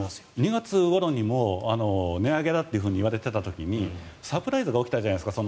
２月ごろにも値上げだって言われていた時にサプライズが起きたじゃないですか。